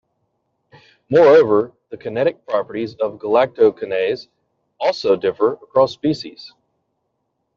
Moreover, the kinetic properties of galactokinase also differ across species.